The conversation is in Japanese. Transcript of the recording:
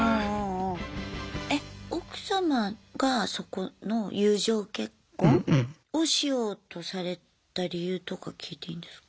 え奥様がそこの友情結婚をしようとされた理由とか聞いていいんですか？